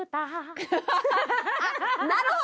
なるほど！